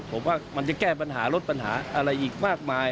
ผมว่ามันจะแก้ปัญหาลดปัญหาอะไรอีกมากมาย